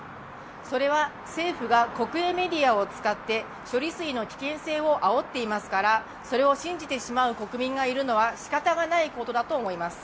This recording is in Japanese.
それは政府が国営メディアを使って処理水の危険性をあおっていますから、それを信じてしまう国民がいるのはしかたがないことだと思います。